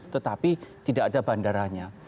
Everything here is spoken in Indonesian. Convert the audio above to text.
tetapi tidak ada bandaranya